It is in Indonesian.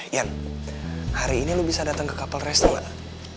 yan hari ini lo bisa datang ke couple restaurant kan